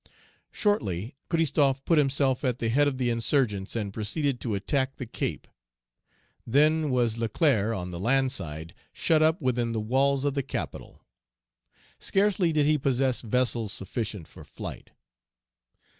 Shortly, Christophe put himself at the head of the insurgents, and proceeded to attack the Cape. Then was Leclerc on the land side shut up within the walls of the capital. Scarcely did he possess vessels sufficient for flight.